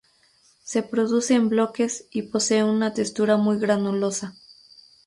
Se produce en bloques y posee una textura muy granulosa.